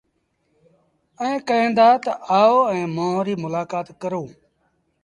ائيٚݩ ڪهين دآ تا آئو ائيٚݩ مݩهݩ ريٚ مولآڪآت ڪرو